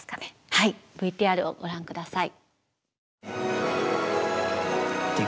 はいＶＴＲをご覧下さい。